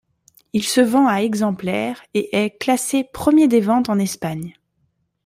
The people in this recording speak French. Il se vend à exemplaires, et est classé premier des ventes en Espagne.